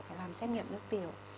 phải làm xét nghiệm nước tiểu